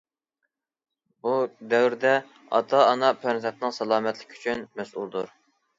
بۇ دەۋردە ئاتا- ئانا پەرزەنتنىڭ سالامەتلىكى ئۈچۈن مەسئۇلدۇر.